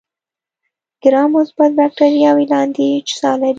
ګرام مثبت بکټریاوې لاندې اجزا لري.